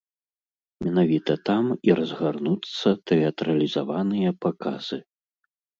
Менавіта там і разгарнуцца тэатралізаваныя паказы.